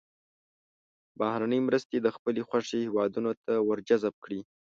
بهرنۍ مرستې د خپلې خوښې هېوادونو ته ور جذب کړي.